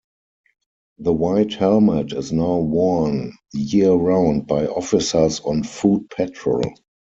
The white helmet is now worn year round by officers on foot patrol.